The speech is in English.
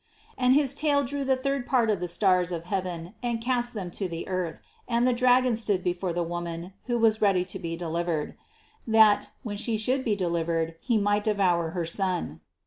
4. And his tail drew the third part of the stars of heaven and cast them to the earth and the dragon stood before the woman, who was ready to be deliv ered; that, when she should be delivered, he might devour her son.